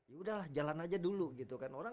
yaudah lah jalan aja dulu gitu kan